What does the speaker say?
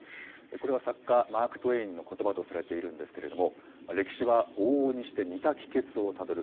これは作家、マークトゥエインのことばとされているんですけれども、歴史は往々にして似た帰結をたどる。